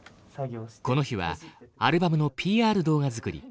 この日はアルバムのＰＲ動画作り。